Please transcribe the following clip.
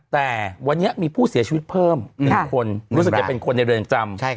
แต่วันนี้มีผู้เสียชีวิตเพิ่ม๑คนรู้สึกจะเป็นคนในเรือนจำ